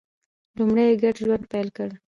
لومړی یې ګډ ژوند پیل کړ.